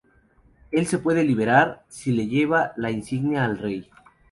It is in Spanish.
El se puede liberar si le lleva la insignia al rey.